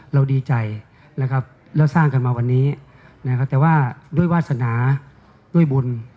เราดีใจเราสร้างกันมาวันนี้แต่ว่าด้วยวาสนาด้วยบุญ